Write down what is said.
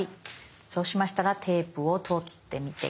そうしましたらテープを取ってみて下さい。